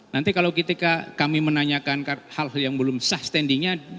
nanti kalau ketika kami menanyakan hal hal yang belum sah standingnya